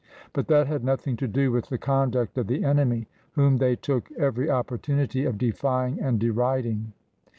But that had nothing to do with the conduct of the enemy, whom they took every opportunity of defying and deriding.